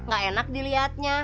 gak enak dilihatnya